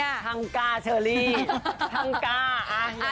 ทั้งก้าเชอรี่ทั้งก้า